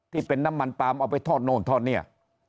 ที่เป็นน้ำมันปลามเอาไปทอดโน่นทอดเนี่ย